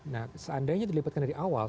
nah seandainya dilibatkan dari awal